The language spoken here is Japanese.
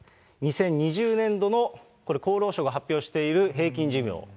２０２０年度のこれ、厚労省が発表している平均寿命。